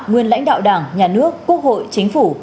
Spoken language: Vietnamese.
nguyên lãnh đạo đảng nhà nước quốc hội chính phủ